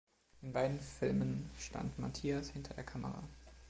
In beiden Filmen stand Mathias hinter der Kamera.